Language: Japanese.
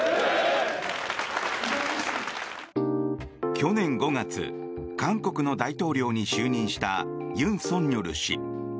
去年５月韓国の大統領に就任した尹錫悦氏。